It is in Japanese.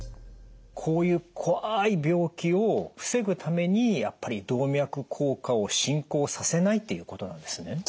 こういう怖い病気を防ぐためにやっぱり動脈硬化を進行させないっていうことなんですね？